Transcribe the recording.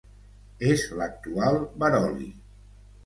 És l'actual Veroli.